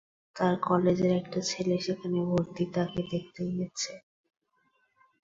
তার কলেজের একটা ছেলে সেখানে ভর্তি তাকে দেখতে গেছে।